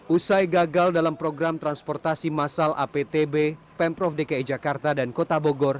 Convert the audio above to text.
usai gagal dalam program transportasi massal aptb pemprov dki jakarta dan kota bogor